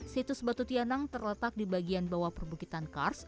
situs batu tianang terletak di bagian bawah perbukitan kars